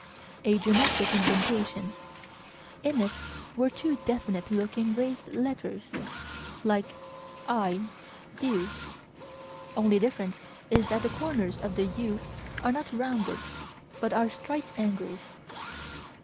A geometric indentation: in it were two definite looking raised letters, like "I U": only difference is that the corners of the "U" are not rounded, but are right angles.